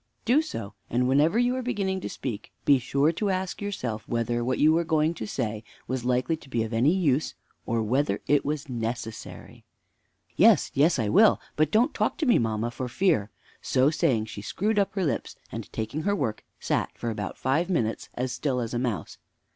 Mother. Do so; and whenever you are beginning to speak, be sure you ask yourself whether what you were going to say was likely to be of any use, or whether it was necessary. Fanny. Yes, yes, I will! but don't talk to me, mamma, for fear. So saying, she screwed up her lips, and taking her work, sat for about five minutes as still as a mouse.